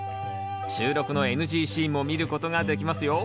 収録のＮＧシーンも見ることができますよ。